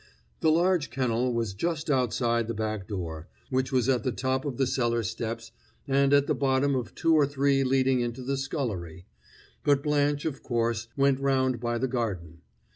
The large kennel was just outside the back door, which was at the top of the cellar steps and at the bottom of two or three leading into the scullery; but Blanche, of course, went round by the garden.